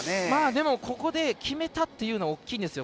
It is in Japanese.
でも、ここで決めたというのは大きいですよ。